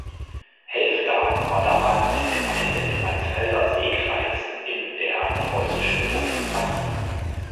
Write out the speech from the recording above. Helfta war damals eine Gemeinde im Mansfelder Seekreis in der preußischen Provinz Sachsen.